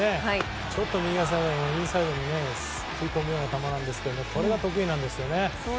ちょっと右下がりのインサイドに食い込むような球ですがこれが得意なんですね。